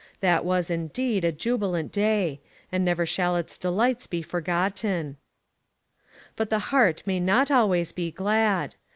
That was, indeed, a jubilant day, and never shall its delights be forgotten. But the heart may not always be glad.